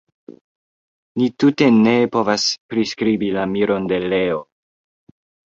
Ni tute ne povas priskribi la miron de Leo.